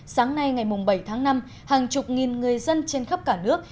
sáng nay ngày bảy tháng năm hàng chục nghìn người dân trên khắp cả nước